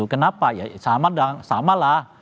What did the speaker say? kenapa ya sama lah